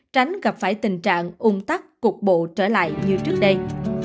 tránh gặp phải tình trạng ung tắc cục bộ trở lại như trước đây